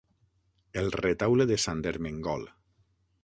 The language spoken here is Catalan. El Retaule de Sant Ermengol.